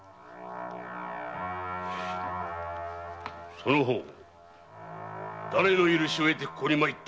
その方だれの許しを得てここに参った！